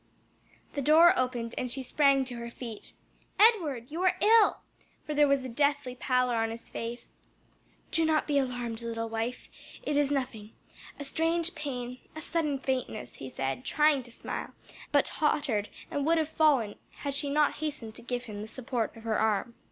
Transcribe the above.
The door opened and she sprang to her feet. "Edward! you are ill!" for there was a deathly pallor on his face. "Do not be alarmed, little wife; it is nothing a strange pain, a sudden faintness," he said, trying to smile, but tottered and would have fallen had she not hastened to give him the support of her arm.